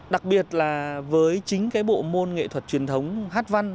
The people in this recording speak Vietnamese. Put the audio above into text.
đặc biệt là với chính cái bộ môn nghệ thuật truyền thống hát văn